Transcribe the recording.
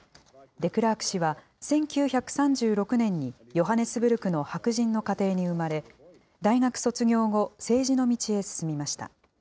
デクラーク氏は１９３６年にヨハネスブルクの白人の家庭に生まれ、大学卒業後、政治の道へ進みました。